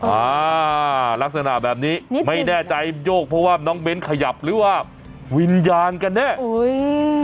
อ่าลักษณะแบบนี้ไม่แน่ใจโยกเพราะว่าน้องเบ้นขยับหรือว่าวิญญาณกันแน่อุ้ย